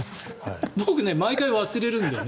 僕、毎回忘れるんだよね。